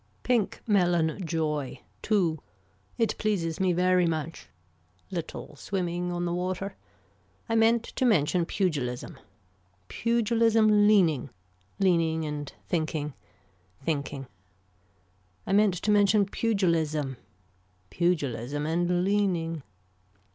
Pink Melon Joy. II. It pleases me very much. Little swimming on the water. I meant to mention pugilism. Pugilism leaning. Leaning and thinking. Thinking. I meant to mention pugilism. Pugilism and leaning.